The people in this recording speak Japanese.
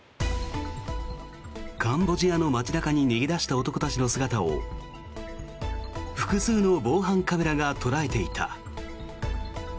カンボジアの街中に逃げ出した男たちの姿を複数の防犯カメラが捉えていた。